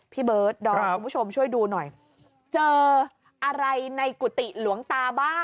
พี่เบิร์ดดอมคุณผู้ชมช่วยดูหน่อยเจออะไรในกุฏิหลวงตาบ้าง